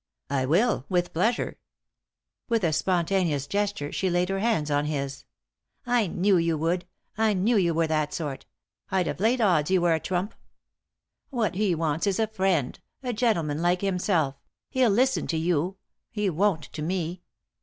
"I will, with pleasure." With a spontaneous gesture she laid her hands on his. « I knew you would ; I knew you were that sort ; I'd have laid odds you were a trump. What he wants is a friend; a gentleman like himself; hell listen to you : he won't to me.